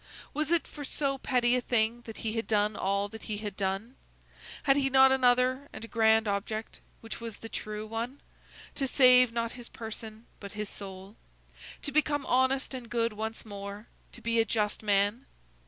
Was it for so petty a thing that he had done all that he had done? Had he not another and a grand object, which was the true one—to save, not his person, but his soul; to become honest and good once more; to be a just man?